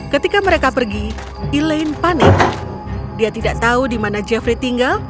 ketika mereka pergi elaine panik dia tidak tahu di mana jeffrey tinggal